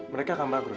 mereka akan bangkrut